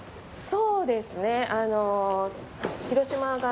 そうですねあの。